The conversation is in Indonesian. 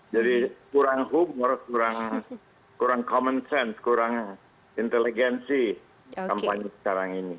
jadi kurang humor kurang common sense kurang inteligenci kampanye sekarang ini